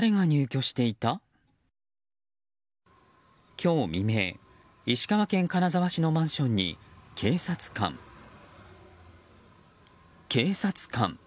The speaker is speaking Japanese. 今日未明、石川県金沢市のマンションに警察官、警察官。